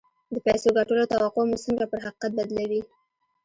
د پيسو ګټلو توقع مو څنګه پر حقيقت بدلوي؟